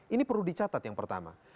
ini perlu dicatat yang pertama